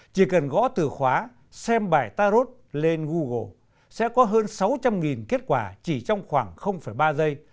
chỉ cần gõ từ khóa xem bài tarot lên google sẽ có hơn sáu trăm linh kết quả chỉ trong khoảng ba giây